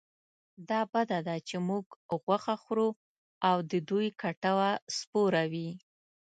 دا بده ده چې موږ غوښه خورو او د دوی کټوه سپوره وي.